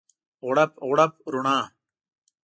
غوړپ، غوړپ رڼا